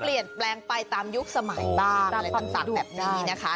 เปลี่ยนแปลงไปตามยุคสมัยต้าตามแบบนี้นะคะ